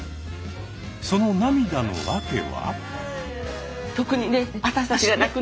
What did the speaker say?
その涙の訳は？